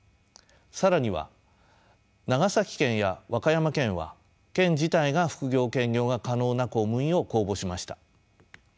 更には長崎県や和歌山県は県自体が副業・兼業が可能な公務員を公募しました。